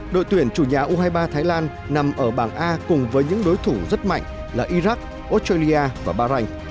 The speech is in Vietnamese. đội tuyển chủ nhà u hai mươi ba thái lan nằm ở bảng a cùng với những đối thủ rất mạnh là iraq australia và bahrain